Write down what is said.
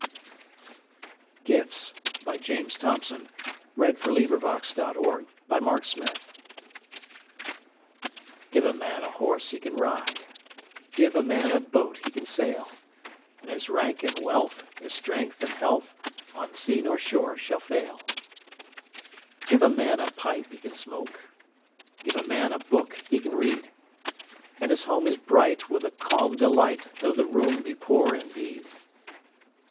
1250–1900. James Thomson. 1834–1882 798. Gifts GIVE a man a horse he can ride, Give a man a boat he can sail; And his rank and wealth, his strength and health, On sea nor shore shall fail. Give a man a pipe he can smoke, 5 Give a man a book he can read: And his home is bright with a calm delight, Though the room be poor indeed.